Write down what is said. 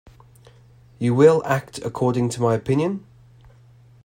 You will act according to my opinion?